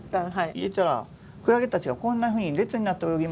入れたらクラゲたちがこんなふうに列になって泳ぎました。